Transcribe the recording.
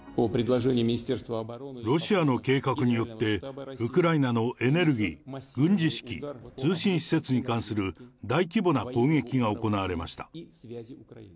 ロシアの計画によって、ウクライナのエネルギー、軍事指揮、通信施設に関する大規模な攻撃が行われました。